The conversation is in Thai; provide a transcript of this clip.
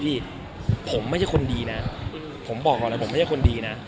พี่ผมไม่ใช่คนดีนะผมบอกก่อนเลยผมไม่ใช่คนดีนะ